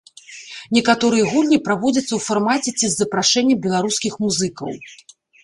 Некаторыя гульні праводзяцца ў фармаце ці з запрашэннем беларускіх музыкаў.